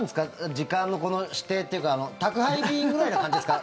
時間の指定っていうか宅配便くらいな感じですか？